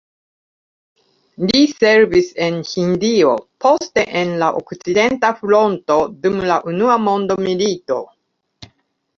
Li servis en Hindio, poste en la okcidenta fronto dum la unua mondmilito.